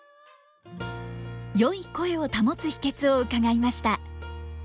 良い声を保つ秘けつを伺いました。